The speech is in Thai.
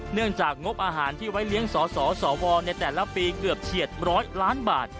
เนื่องจากงบอาหารที่ไว้เลี้ยงสสวในแต่ละปีเกือบเฉียด๑๐๐ล้านบาท